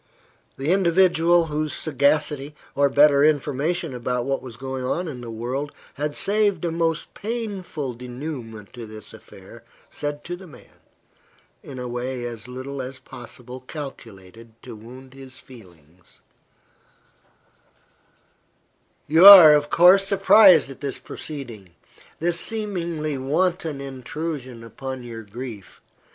The individual whose sagacity, or better information about what was going on in the world, had saved a most painful denouement to this affair, said to the man, in a way as little as possible calculated to wound his feelings "You are, of course, surprised at this proceeding this seemingly wanton intrusion upon your grief.